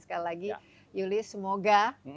sekali lagi julius semoga